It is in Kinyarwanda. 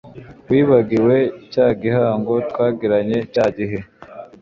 wibagiwe cya gihango twagiranye cyagihe